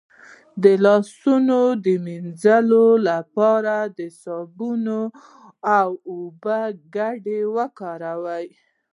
د لاسونو د مینځلو لپاره د صابون او اوبو ګډول وکاروئ